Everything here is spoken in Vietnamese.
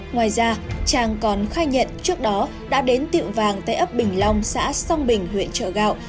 ngoài ra trang còn khai nhận trước đó đã đến tiệm vàng tại ấp bình long xã song bình huyện trợ gạo